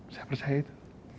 saya percaya itu